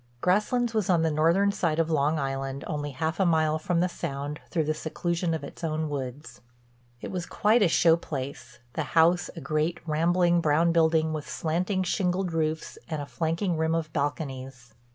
Grasslands was on the northern side of Long Island, only half a mile from the Sound through the seclusion of its own woods. It was quite a show place, the house a great, rambling, brown building with slanting, shingled roofs and a flanking rim of balconies.